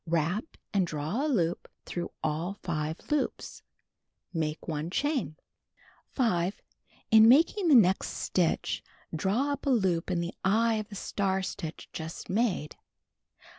Wrap and draw a loop through all 5 loops, Make 1 chain. 5. In making the next stitch, draw up a loop in the "eye" of the star stitch just made. (See A in picture.)